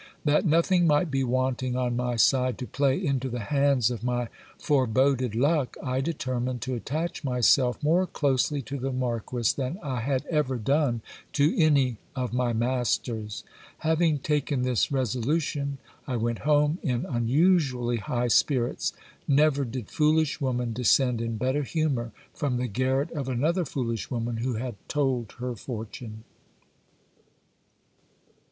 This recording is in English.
That nothing might be wanting on my side to play into the hands of my foreboded luck, I determined to attach myself more closely to the marquis than I had ever done to any of my masters. Having taken this resolution, I went home in un usually high spirits ; never did foolish woman descend in better humour from the garret of another foolish woman who had told her fortune.